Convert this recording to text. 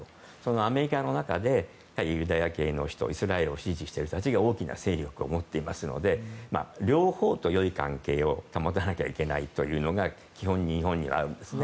アメリカの中でユダヤ系の人イスラエルを支持している人たちが大きな勢力を持っていますので両方と良い関係を保たなきゃいけないというのが基本、日本にはあるんですね。